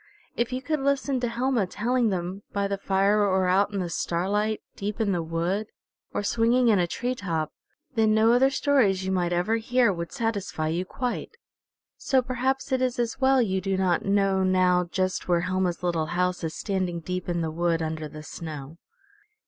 If you could listen to Helma telling them, by the fire, or out in the starlight, deep in the wood, or swinging in a tree top, then no other stories you might ever hear would satisfy you quite. So perhaps it is as well you do not know now just where Helma's little house is standing deep in the wood under the snow.